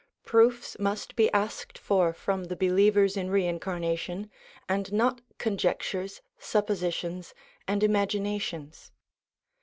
Proofs must be asked for from the believers in re incarnation, and not conjectures, suppositions, and imaginations.